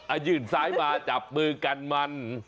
ยืนซ้ายมาจับมือกันมัน